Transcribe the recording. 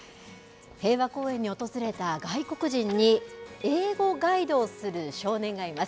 平和公園に訪れた外国人に英語ガイドをする少年がいます。